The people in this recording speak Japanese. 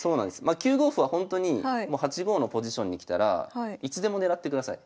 ９五歩はほんとにもう８五のポジションにきたらいつでも狙ってください。